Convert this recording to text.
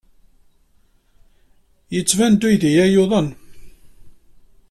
Yettban-d uydi-a yuḍen.